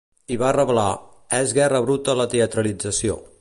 I va reblar: És guerra bruta la teatralització.